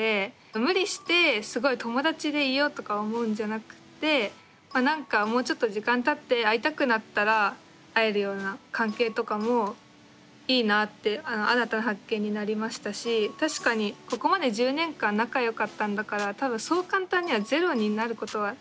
無理してすごい友達でいようとか思うんじゃなくてなんかもうちょっと時間たって会いたくなったら会えるような関係とかもいいなって新たな発見になりましたし確かにここまで１０年間仲よかったんだから多分そう簡単にはゼロになることはないと思うんですよ。